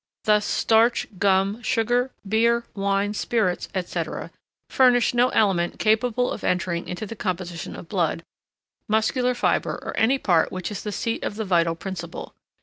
Thus starch, gum, sugar, beer, wine, spirits, &c., furnish no element capable of entering into the composition of blood, muscular fibre, or any part which is the seat of the vital principle.